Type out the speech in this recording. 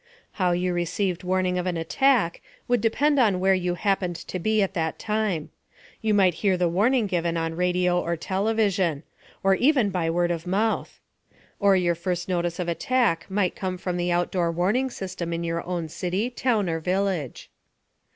How you received warning of an attack would depend on where you happened to be at that time. You might hear the warning given on radio or television, or even by word of mouth. Or your first notice of attack might come from the outdoor warning system in your own city, town or village.